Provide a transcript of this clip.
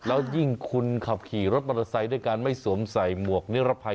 แล้วยิ่งคุณขับขี่รถมอเตอร์ไซค์ด้วยการไม่สวมใส่หมวกนิรภัย